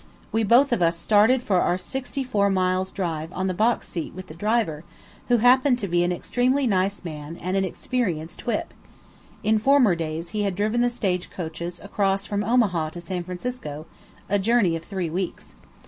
We both of us started for our sixty four miles' drive on the box seat with the driver, who happened to be an extremely nice man and an experienced whip; in former days he had driven the stage coaches across from Omaha to San Francisco, a journey of three weeks.